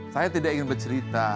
saya tidak ingin bercerita